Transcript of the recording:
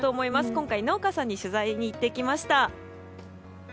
今回、農家さんに取材に行ってきました。